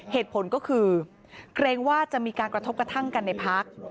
เหตุผลก็คือเกรงว่าจะมีการกระทบกระทั่งกันในพัก